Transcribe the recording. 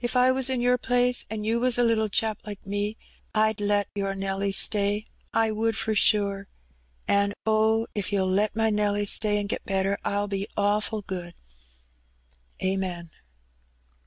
If I was in Your place, an' You was a little chap like me, I'd let Your Nelly stay. I would for sure. An' oh, if You'll let my Nelly stay an' get better, I'll be awful good. Amen."